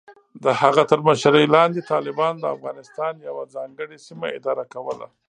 د هغه تر مشرۍ لاندې، طالبانو د افغانستان یوه ځانګړې سیمه اداره کوله.